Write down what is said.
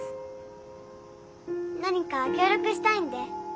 何か協力したいんで。